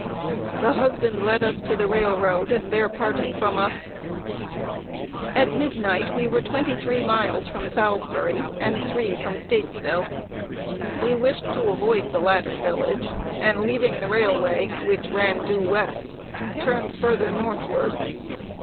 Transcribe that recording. The husband led us to the railroad, and there parted from us. [Sidenote: WALKING TWELVE MILES FOR NOTHING.] At midnight we were twenty three miles from Salisbury, and three from Statesville. We wished to avoid the latter village; and leaving the railway, which ran due west, turned farther northward.